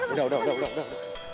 udah udah udah